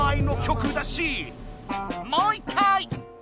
もう１回！